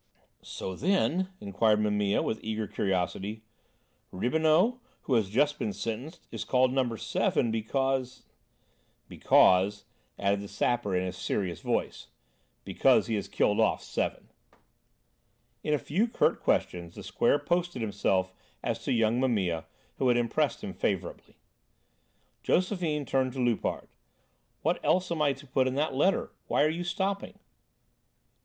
"So then," inquired Mimile, with eager curiosity, "Riboneau, who has just been sentenced, is called number 'seven' because ..." "Because," added the Sapper in his serious voice, "because he has killed off seven." In a few curt questions the Square posted himself as to young Mimile, who had impressed him favourably. Josephine turned to Loupart: "What else am I to put in the letter? Why are you stopping?"